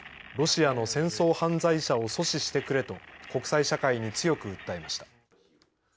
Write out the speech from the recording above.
ロシアの戦争犯罪者を阻止してくれと国際社会に強く訴えました。